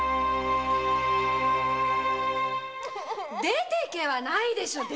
出て行けはないでしょう！